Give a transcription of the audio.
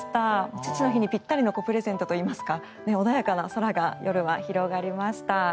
父の日にぴったりのプレゼントといいますか穏やかな空が夜は広がりました。